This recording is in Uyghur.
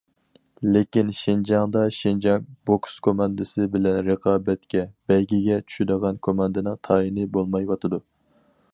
لېكىن، شىنجاڭدا شىنجاڭ بوكس كوماندىسى بىلەن رىقابەتتە بەيگىگە چۈشىدىغان كوماندىنىڭ تايىنى بولمايۋاتىدۇ.